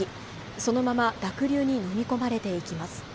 そのまま、濁流に飲み込まれていきます。